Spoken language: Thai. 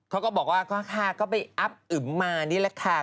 เขาก็บอกว่าก็ค่ะก็ไปอับอึมมานี่แหละค่ะ